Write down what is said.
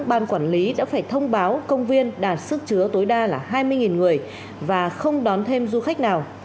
ban quản lý đã phải thông báo công viên đạt sức chứa tối đa là hai mươi người và không đón thêm du khách nào